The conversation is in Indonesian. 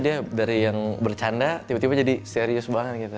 dia dari yang bercanda tiba tiba jadi serius banget gitu